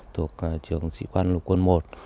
thuộc trường sĩ quan lục quân i